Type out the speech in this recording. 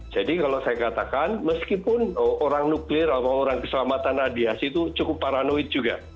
jadi kalau saya katakan meskipun orang nuklir atau orang keselamatan radiasi itu cukup paranoid juga